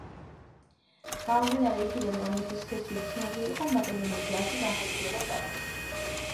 გამომდინარე იქიდან, რომ მისი სქესი უცნობი იყო, მაკედონურ ჯარში განხეთქილება წარმოიშვა.